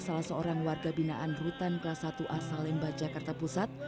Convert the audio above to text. salah seorang warga binaan rutan kelas satu asal lemba jakarta pusat